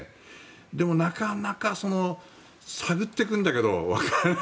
でも、なかなか探ってくるんだけれども分からない。